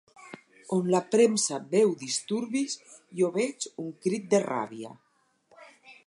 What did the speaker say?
On la premsa veu disturbis, jo veig un crit de ràbia.